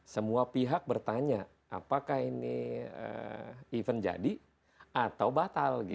semua pihak bertanya apakah ini event jadi atau batal